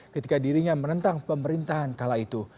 ketika dirinya menentang pemerintahan kala itu